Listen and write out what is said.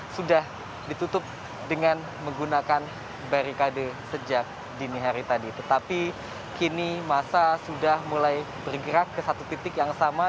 sudah ditutup dengan menggunakan barikade sejak dini hari tadi tetapi kini masa sudah mulai bergerak ke satu titik yang sama